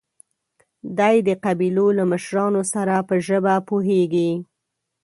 دی د قبيلو له مشرانو سره په ژبه پوهېږي.